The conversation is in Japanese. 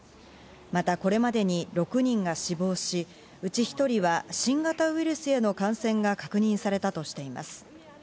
またこれまでに６人が死亡し、うち１人は新型ウイルスへの感染が確認されたとしています。